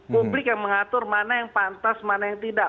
publik yang mengatur mana yang pantas mana yang tidak